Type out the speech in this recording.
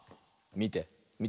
みてみて。